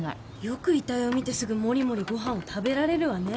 よく遺体を見てすぐもりもりご飯を食べられるわね。